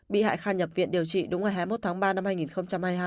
bị hại khai nhập viện điều trị đúng ngày hai mươi một tháng ba năm hai nghìn hai mươi hai